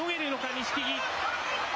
錦木。